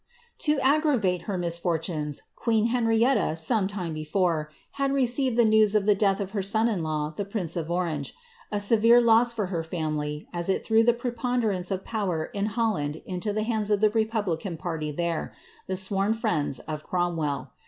To aggravate her misfortunes, queen Henrietta, some time before, had received the news of the death of her son in law, the prince «>f Orange; a severe loss for her family, as it threw the preponderance of power Id UuHaiid into the hands of the republican party there, the swoiii friends of Cromwell.